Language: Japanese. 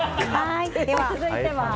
では、続いては？